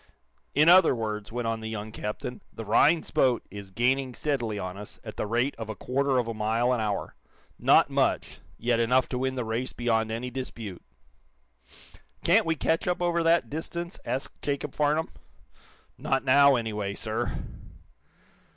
"In other words," went on the young captain, "the Rhinds boat is gaining steadily on us at the rate of a quarter of a mile an hour. Not much, yet enough to win the race beyond any dispute." "Can't we catch up over that distance?" asked Jacob Farnum. "Not now, anyway, sir."